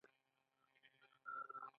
کسبګر وتوانیدل چې له اړتیا زیات تولید وکړي.